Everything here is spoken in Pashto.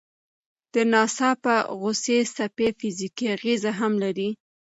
د ناڅاپه غوسې څپې فزیکي اغېزې هم لري.